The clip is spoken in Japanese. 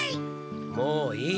もういい。